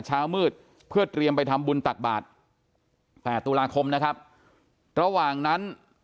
เช้ามืดเพื่อเตรียมไปทำบุญตักบาท๘ตุลาคมนะครับระหว่างนั้น